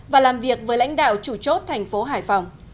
và làm việc với lãnh đạo chủ chốt thành phố hải phòng